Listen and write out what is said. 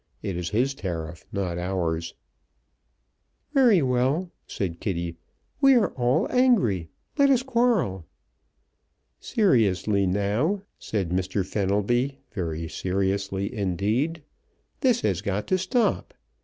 It is his tariff, not ours." "Very well," said Kitty; "we are all angry! Let us quarrel!" "Seriously, now," said Mr. Fenelby, very seriously indeed, "this has got to stop!